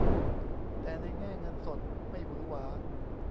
แต่ในแง่เงินสดไม่หวือหวา